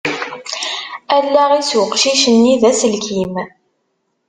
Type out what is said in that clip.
Allaɣ-is uqcic-nni d aselkim.